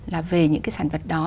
là về những cái sản vật đó